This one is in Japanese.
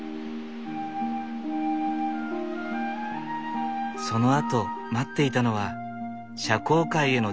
そのあと待っていたのは社交界へのデビュー。